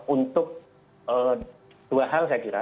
untuk dua hal saya kira